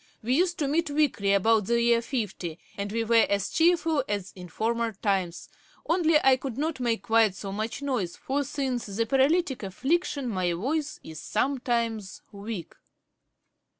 We used to meet weekly, about the year fifty, and we were as cheerful as in former times; only I could not make quite so much noise, for since the paralytick affliction my voice is sometimes weak.'